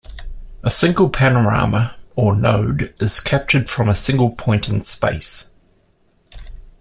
A single panorama, or "node" is captured from a single point in space.